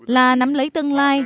là nắm lấy tương lai